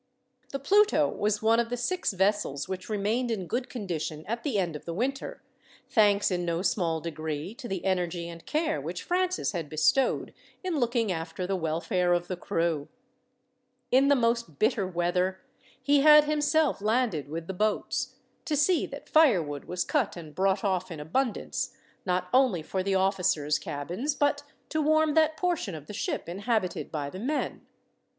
The Pluto was one of the six vessels which remained in good condition at the end of the winter, thanks, in no small degree, to the energy and care which Francis had bestowed in looking after the welfare of the crew. In the most bitter weather, he had himself landed with the boats, to see that firewood was cut and brought off in abundance, not only for the officers' cabins, but to warm that portion of the ship inhabited by the men.